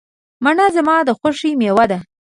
مڼه زما د خوښې مېوه ده.